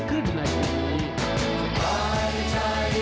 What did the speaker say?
ผ่านอุ้ยมีอะไร